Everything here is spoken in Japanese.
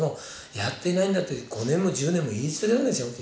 やっていないんだって５年も１０年も言い続けられないですよ